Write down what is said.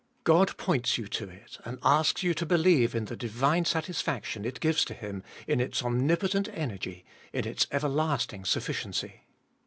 God points you to it and asks you to believe in the divine satisfaction it gives to Him, in its omnipotent energy } in its everlasting sufficiency.